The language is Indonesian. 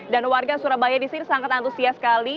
dan warga surabaya di sini sangat antusias sekali